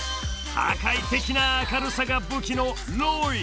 「破壊的な明るさ」が武器のロイ。